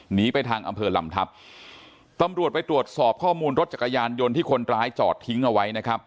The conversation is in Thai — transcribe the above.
หนีไปทางอำเภอลำทัพตำรวจไปตรวจสอบข้อมูลรถจักรยานยนต์ที่คนร้ายจอดทิ้งเอาไว้นะครับ